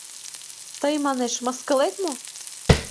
— Тый, манеш, мыскылет мо?